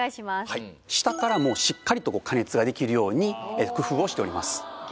はい下からもしっかりと加熱ができるように工夫をしております